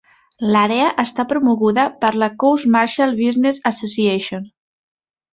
L'àrea està promoguda per la Crouse-Marshall Business Association.